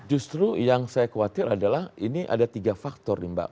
justru yang saya khawatir adalah ini ada tiga faktor nih mbak